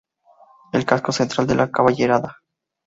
El Casco Central de Caraballeda.